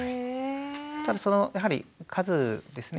ただそのやはり数ですね。